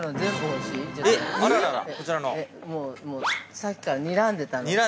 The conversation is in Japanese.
◆もうさっきからにらんでたの。